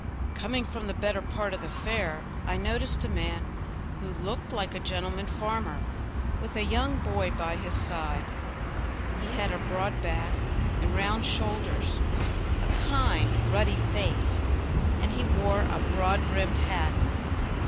Coming from the better part of the fair, I noticed a man who looked like a gentleman farmer, with a young boy by his side; he had a broad back and round shoulders, a kind, ruddy face, and he wore a broad brimmed hat.